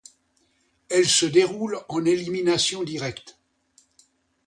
Elle se déroule en élimination directe.